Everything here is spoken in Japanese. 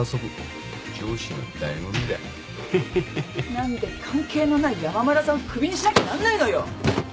何で関係のない山村さんを首にしなきゃなんないのよ！